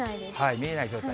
見えない状態。